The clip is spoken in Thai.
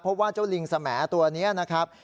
เพราะว่าเจ้าลิงสแหมดตัวนี้นะครับ